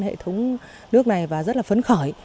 hệ thống nước này và rất là phấn khởi